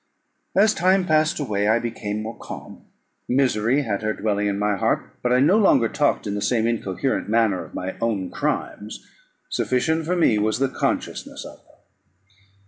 As time passed away I became more calm: misery had her dwelling in my heart, but I no longer talked in the same incoherent manner of my own crimes; sufficient for me was the consciousness of them.